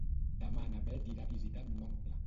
Demà na Bet irà a visitar mon oncle.